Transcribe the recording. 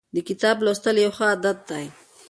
د کتاب لوستل یو ښه عادت دی.